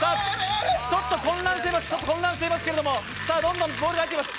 ちょっと混乱していますけれどもどんどんボールが入っていきます。